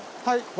はい。